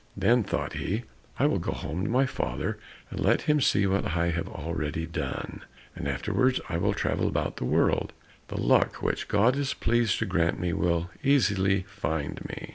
Then thought he, "I will go home to my father and let him see what I have already done, and afterwards I will travel about the world; the luck which God is pleased to grant me will easily find me."